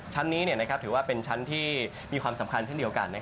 ชั้นนี้ถือว่าเป็นชั้นที่มีความสำคัญเช่นเดียวกัน